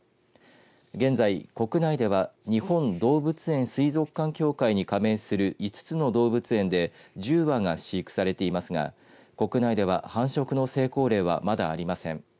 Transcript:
現在、国内では日本動物園水族館協会に加盟する５つの動物園で１０羽が飼育されていますが国内では繁殖の成功例はまだありません。